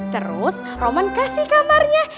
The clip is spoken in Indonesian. terus roman kasih kamarnya